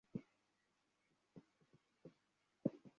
Agent Scott বলছি।